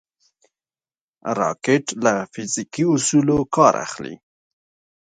راکټ له فزیکي اصولو کار اخلي